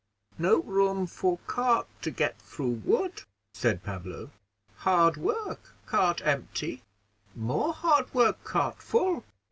"No room for cart to get through wood," said Pablo; "hard work, cart empty more hard work, cart full."